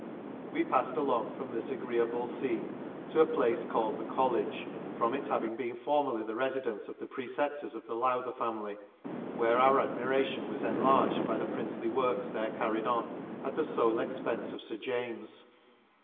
—We the Lakes. 59 — We pafs'd along from this agreea ble fcene to a place called the College, from its having been formerly the refiderice of the preceptors of the Lbwther Family : where our admiration was enlarged by the princely works there carried on, at the fole expence of Sir James.